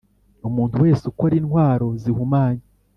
Umuntu wese ukora intwaro zihumanya